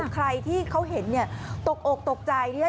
ใครที่เขาเห็นตกอกตกใจ